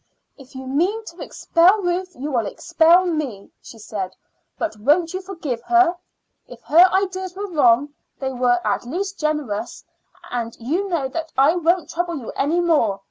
"If you mean to expel Ruth you will expel me," she said. "But won't you forgive her? If her ideas were wrong, they were at least generous; and you know that I won't trouble you any more.